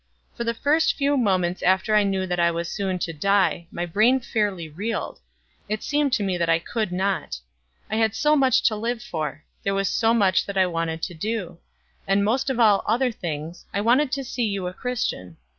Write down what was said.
For the first few moments after I knew that I was soon to die, my brain fairly reeled; It seemed to me that I could not. I had so much to live for, there was so much that I wanted to do; and most of all other things, I wanted to see you a Christian.